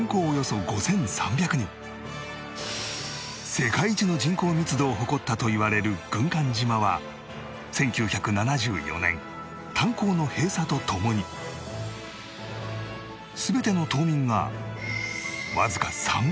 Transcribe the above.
世界一の人口密度を誇ったといわれる軍艦島は１９７４年炭鉱の閉鎖とともに全ての島民がわずか３カ月で退去